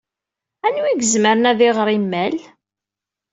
Anwa ay izemren ad iɣer imal?